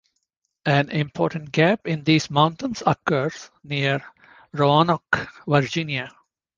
An important gap in these mountains occurs near Roanoke, Virginia.